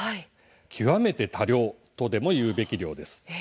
極めて多量ともいうべき量です。